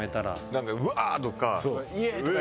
なんか「うわー！」とか「イエーイ」とか。